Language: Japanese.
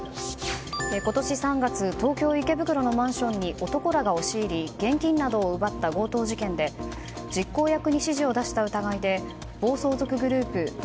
今年３月、東京・池袋のマンションに男らが押し入り現金などを奪った強盗事件で実行役に指示を出した疑いで暴走族グループ怒